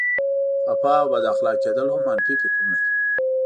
خفه او بد اخلاقه کېدل هم منفي فکرونه دي.